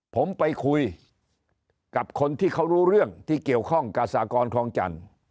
ผมไปคุยกับคนที่เขารู้เรื่องที่เกี่ยวข้องกับสากรคลองจันทร์